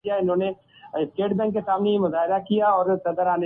apple کا کوڑا بھارت کیلئے خزانہ بن سکتا ہے